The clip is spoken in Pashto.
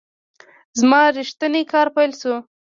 زما ریښتینی کار پیل شو .